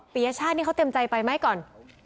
ปียชาตินี่เขาเต็มใจไปไหมก่อน